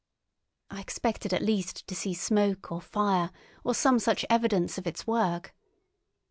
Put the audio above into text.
I expected at least to see smoke or fire, or some such evidence of its work.